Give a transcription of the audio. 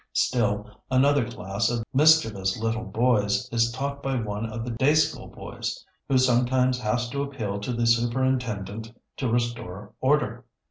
Still another class of mischievous little boys is taught by one of the day school boys, who sometimes has to appeal to the superintendent to restore order....